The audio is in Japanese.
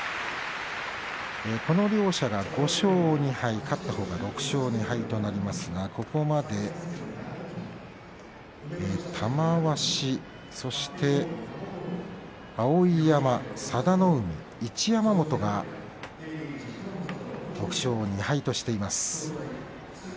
この両者が５勝２敗勝ったほうが６勝２敗となりますが、ここまで玉鷲、そして碧山、佐田の海、一山本が６勝２敗としています。